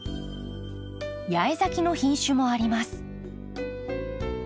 八重咲きの品種もあります。